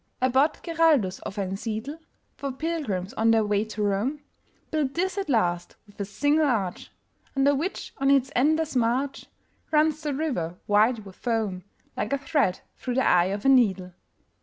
Abbot Giraldus of Einsiedel, For pilgrims on their way to Rome, Built this at last, with a single arch, Under which, on its endless march, Runs the river, white with foam, Like a thread through the eye of a needle.